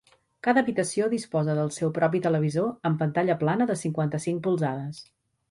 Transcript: Cada habitació disposa del seu propi televisor amb pantalla plana de cinquanta-cinc polzades.